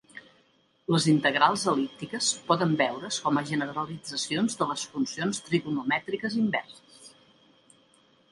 Les integrals el·líptiques poden veure's com a generalitzacions de les funcions trigonomètriques inverses.